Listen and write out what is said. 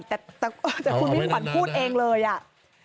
แต่คุณพี่มันพูดเองเลยอ่ะ